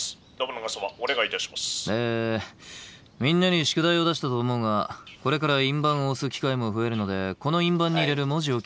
みんなに宿題を出したと思うがこれから印判を押す機会も増えるのでこの印判に入れる文字を決めたい。